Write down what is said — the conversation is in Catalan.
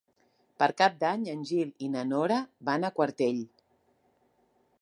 Per Cap d'Any en Gil i na Nora van a Quartell.